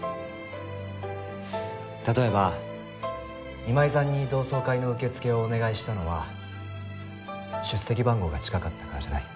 例えば今井さんに同窓会の受付をお願いしたのは出席番号が近かったからじゃない。